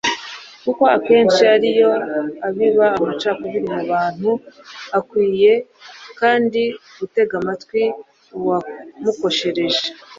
kuko akenshi ari yo abiba amacakubiri mu bantu. akwiye kandi gutega amatwi uwamukoshereje